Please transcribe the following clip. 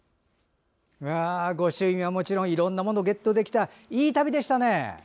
御朱印はもちろんいろんなものをゲットできたいい旅でしたね。